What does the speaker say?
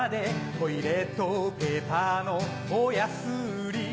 トイレットペーパーの大安売り